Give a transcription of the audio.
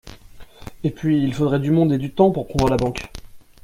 Et puis il faudrait du monde et du temps pour prendre la Banque.